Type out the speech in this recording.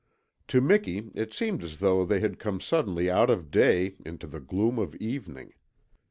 To Miki it seemed as though they had come suddenly out of day into the gloom of evening.